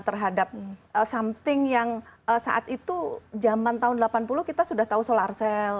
terhadap something yang saat itu jaman tahun delapan puluh kita sudah tahu solar cell